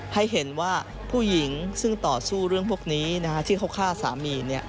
ให้เห็นว่าผู้หญิงซึ่งต่อสู้เรื่องพวกนี้ที่เขาฆ่าสามี